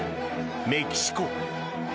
メキシコ。